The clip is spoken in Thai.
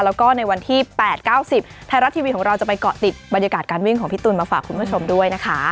แล้วก็ในวันที่๘๙๐ไทยรัฐทีวีของเราจะไปเกาะติดบรรยากาศการวิ่งของพี่ตูนมาฝากคุณผู้ชมด้วยนะคะ